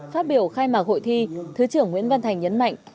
phát biểu khai mạc hội thi thứ trưởng nguyễn văn thành nhấn mạnh